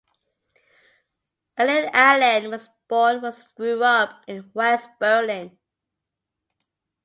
Ellen Allien was born and grew up in West Berlin.